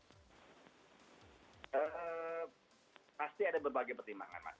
hmm pasti ada berbagai pertimbangan mas